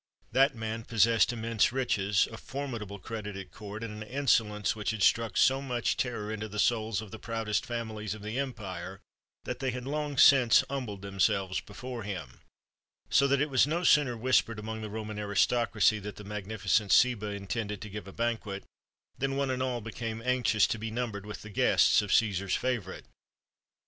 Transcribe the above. That man possessed immense riches, a formidable credit at court, and an insolence which had struck so much terror into the souls of the proudest families of the empire, that they had long since humbled themselves before him. [Illustration: ROMAN BANQUET IN THE YEAR 64.] So that it was no sooner whispered among the Roman aristocracy that the magnificent Seba intended to give a banquet, than one and all became anxious to be numbered with the guests of Cæsar's favourite.